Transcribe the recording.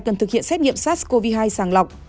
cần thực hiện xét nghiệm sars cov hai sàng lọc